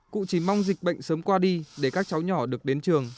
cụ chỉ mong dịch bệnh sớm qua đi để các cháu nhỏ được đến trường